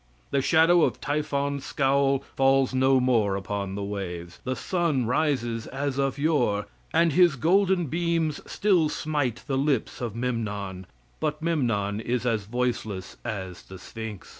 The shadow of Typhon's scowl falls no more upon the waves. The sun rises as of yore, and his golden beams still smite the lips of Memnon, but Memnon is as voiceless as the Sphinx.